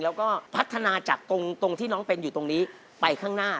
แล้วก็พัฒนาจากตรงที่น้องเป็นอยู่ตรงนี้ไปข้างหน้า